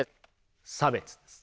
差別です。